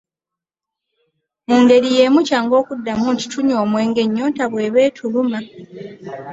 Mu ngeri y' emu kyangu okuddamu nti tunywa omwenge ennyonta bw'eba etuluma.